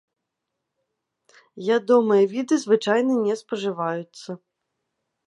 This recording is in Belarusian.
Ядомыя віды звычайна не спажываюцца.